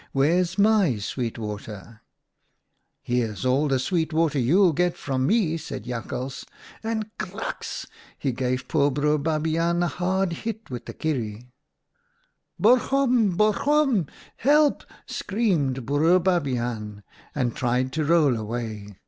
Where's my sweet water ?'"' Here's all the sweet water you'll get from me,' said Jakhals, and — kraaks — he gave poor Broer Babiaan a hard hit with the kierie. "' Borgom ! Borgom ! Help !' screamed Broer Babiaan, and tried to roll away.